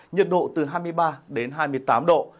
nhiệt độ từ hai mươi ba đến hai mươi tám độ